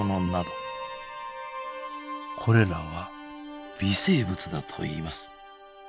これらは微生物だといいます。